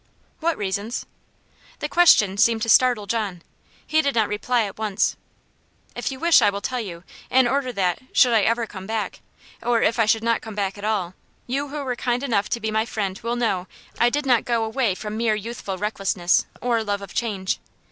"What reasons?" The question seemed to startle John he did not reply at once. "If you wish I will tell you; in order that, should I ever come back or if I should not come back at all, you who were kind enough to be my friend will know I did not go away from mere youthful recklessness, or love of change."